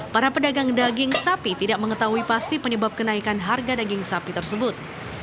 para pedagang daging sapi tidak mengetahui pasti penyebab kenaikan harga daging sapi tersebut